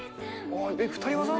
２人技？